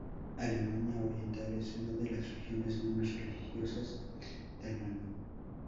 Alemania Oriental es una de las regiones menos religiosas del mundo.